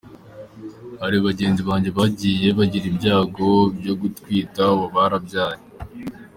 Hari bagenzi banjye bagiye bagira ibyago byo gutwita ubu barabyaye.